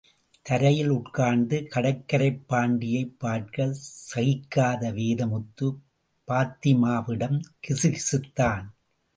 தரையில் உட்கார்ந்த கடற்கரைப் பாண்டியை பார்க்க சகிக்காத வேதமுத்து, பாத்திமாவிடம் கிசுகிசுத்தான்.